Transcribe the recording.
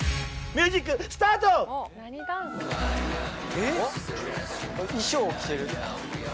えっ？衣装着てる。